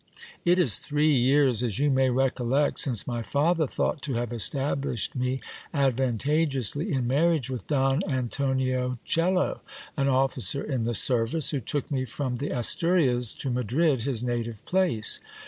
It is three years, as you may recollect, since my father thought to have established me advantageously in marriage with Don Antonio Ccello, an officer in the service, who took me from the Asturias to Madrid, his native place.